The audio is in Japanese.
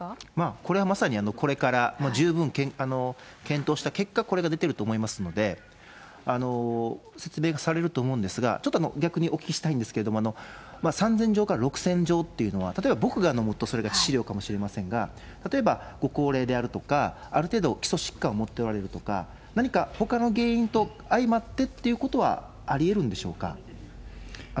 これはまさにこれから、十分検討した結果、これが出てると思いますので、説明がされると思うんですが、ちょっと逆にお聞きしたいんですけれども、３０００錠から６０００錠っていうのは、例えば僕が飲むと、それで致死量かもしれませんが、例えばご高齢であるとか、ある程度、基礎疾患を持っておられるとか、何かほかの原因とあいまってっていうことはありえるんでしょうか。